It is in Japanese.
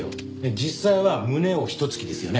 実際は胸をひと突きですよね？